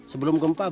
sebelum gempa bersih